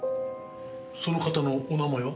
その方のお名前は？